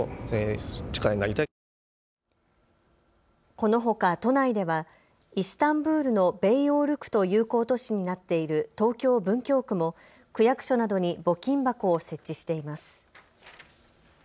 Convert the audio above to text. このほか都内ではイスタンブールのベイオウル区と友好都市になっている東京文京区も区役所などに募金箱を設置しています。